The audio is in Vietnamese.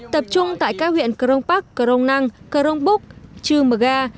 tập trung tại các huyện cờ rông bắc cờ rông năng cờ rông búc trư mờ ga